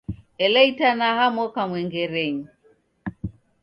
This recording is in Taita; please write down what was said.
Ela itanaha moka mwengerenyi